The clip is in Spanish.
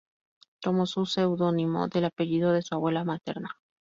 Tomó su seudónimo del apellido de su abuela materna.